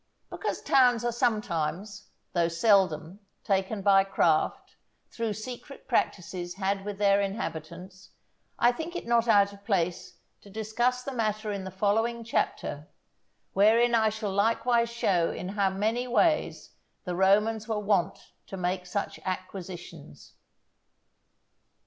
Because towns are sometimes, though seldom, taken by craft, through secret practices had with their inhabitants, I think it not out of place to discuss the matter in the following Chapter, wherein I shall likewise show in how many ways the Romans were wont to make such acquisitions.